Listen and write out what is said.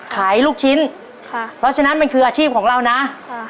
ลูกชิ้นค่ะเพราะฉะนั้นมันคืออาชีพของเรานะค่ะ